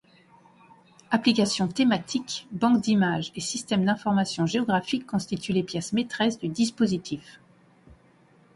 Applications thématiques, banques d’images et systèmes d'information géographique constituent les pièces maîtresses du dispositif.